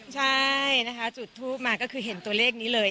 จุดทูปมาก็คือเห็นตัวเลขนี้เลย